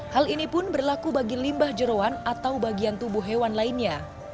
hal ini pun berlaku bagi limbah jerawan atau bagian tubuh hewan lainnya